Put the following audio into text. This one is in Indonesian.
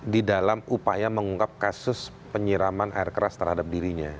di dalam upaya mengungkap kasus penyiraman air keras terhadap dirinya